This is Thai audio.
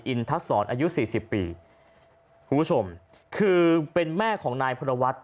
อินทักษรอายุ๔๐ปีคุณผู้ชมคือเป็นแม่ของนายพระวัตน์